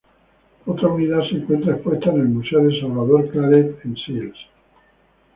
Otra unidad se encuentra expuesta en el Museo de Salvador Claret, en Sils.